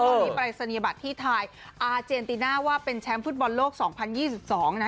ตอนนี้ปรายศนียบัตรที่ทายอาเจนติน่าว่าเป็นแชมป์ฟุตบอลโลก๒๐๒๒นะ